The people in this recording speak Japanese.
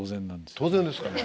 当然ですか。